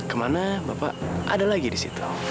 kemana bapak ada lagi di situ